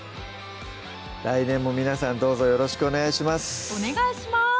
来年も皆さんどうぞよろしくお願いしますお願いします！